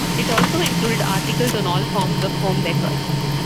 It also included articles on all forms of home decor.